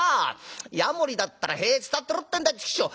ヤモリだったら塀伝ってろってんだちくしょう！